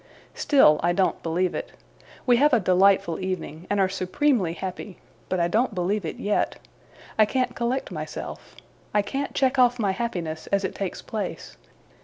Still I don't believe it. We have a delightful evening, and are supremely happy; but I don't believe it yet. I can't collect myself. I can't check off my happiness as it takes place.